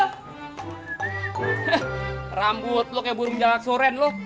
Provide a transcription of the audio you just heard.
heh rambut lu kayak burung jalak soren lu